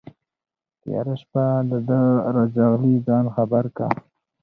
تياره شپه دا ده راځغلي ځان خبر كه